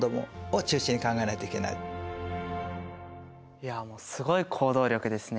いやすごい行動力ですね。